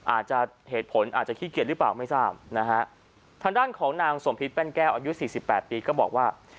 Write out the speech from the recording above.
อาจจะเหตุผลอาจจะขี้เกียจหรือเปล่าไม่ทราบนะฮะทางด้านของนางสมพิษแป้นแก้วอายุสี่สิบแปดปีก็บอกว่า